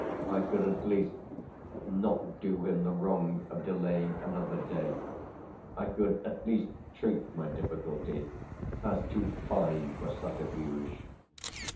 I could at least not do him the wrong of delaying another day, I could at least treat my difficulty as too fine for a subterfuge.